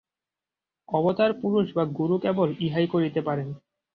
অবতার পুরুষ বা গুরু কেবল ইহাই করিতে পারেন।